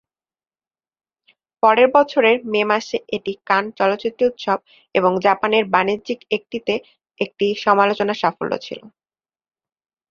পরের বছরের মে মাসে এটি কান চলচ্চিত্র উৎসব এবং জাপানের বাণিজ্যিক একটিতে একটি সমালোচনা সাফল্য ছিল।